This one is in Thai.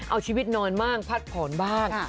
เอาชีวิตนอนบ้างพักผ่อนบ้าง